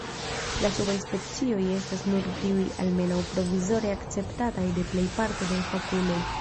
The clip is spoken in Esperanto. La subaj specioj estas nur tiuj almenaŭ provizore akceptataj de plej parto de fakuloj.